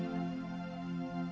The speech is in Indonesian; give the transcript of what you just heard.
aku sudah berjalan